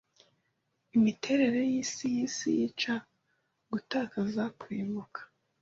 Imiterere yisi yisi Yica Gutakaza kurimbuka.